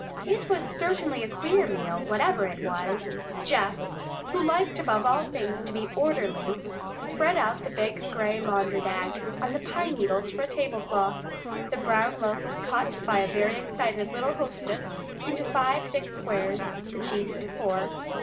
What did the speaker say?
It was certainly a queer meal, whatever it was. Jess, who liked above all things to be orderly, spread out the big gray laundry bag on the pine needles for a tablecloth. The brown loaf was cut by a very excited little hostess into five thick squares; the cheese into four.